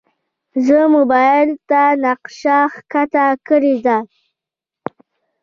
زه موبایل ته نقشه ښکته کړې ده.